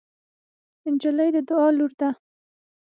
نجلۍ د دعا لور ده.